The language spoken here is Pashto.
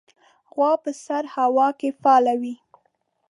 غوا په سړه هوا کې فعال وي.